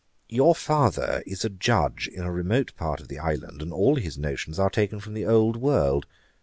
Your father is a Judge in a remote part of the island, and all his notions are taken from the old world.